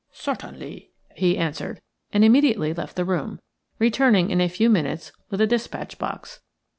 "Certainly," he answered, and immediately left the room, returning in a few minutes with a despatch box.